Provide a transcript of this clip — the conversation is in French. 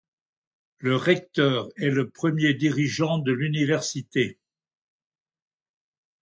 Le recteur est le premier dirigeant de l'université.